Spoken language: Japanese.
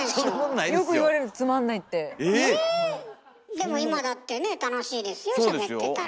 でも今だってね楽しいですよしゃべってたら。